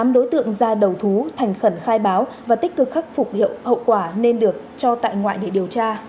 tám đối tượng ra đầu thú thành khẩn khai báo và tích cực khắc phục hiệu hậu quả nên được cho tại ngoại để điều tra